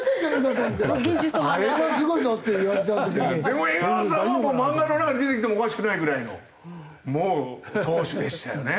でも江川さんは漫画の中に出てきてもおかしくないぐらいのもう投手でしたよね。